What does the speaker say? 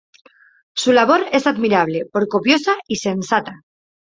Su labor es admirable por copiosa y sensata.